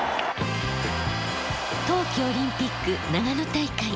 冬季オリンピック長野大会。